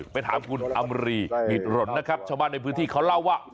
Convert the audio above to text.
ไปถามคุณอำรีนิดหล่นนะครับชาวบ้านในพื้นที่เขาเล่าว่า